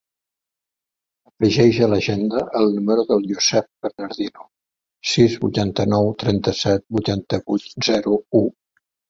Afegeix a l'agenda el número del Yousef Bernardino: sis, vuitanta-nou, trenta-set, vuitanta-vuit, zero, u.